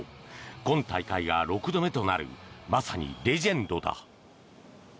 今大会が６度目となるまさにレジェンドだ。